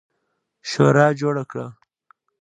شورا جوړه کړه.